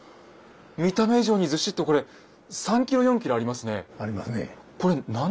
見た目以上にずしっとこれ３ｋｇ４ｋｇありますね。ありますね。